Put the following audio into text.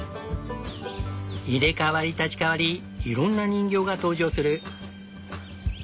入れ代わり立ち代わりいろんな人形が登場する。